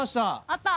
あった！